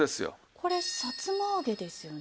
これさつまあげですよね？